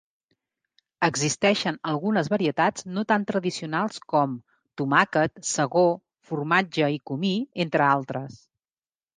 Existeixen algunes varietats no tan tradicionals com: tomàquet, segó, formatge i comí, entre altres.